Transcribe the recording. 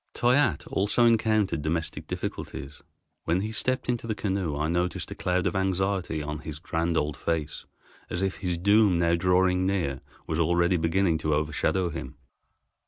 Toyatte also encountered domestic difficulties. When he stepped into the canoe I noticed a cloud of anxiety on his grand old face, as if his doom now drawing near was already beginning to overshadow him.